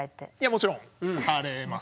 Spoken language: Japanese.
もちろんされます。